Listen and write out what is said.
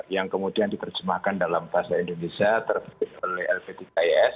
yang kemudian diperjemahkan dalam bahasa indonesia terbit oleh lptks